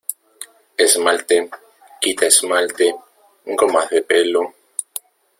esmalte, quita -- esmalte , gomas de pelo.